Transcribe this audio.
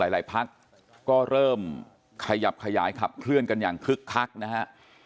หลายพักก็เริ่มขยับขยายขับเคลื่อนกันอย่างคึกคักนะฮะ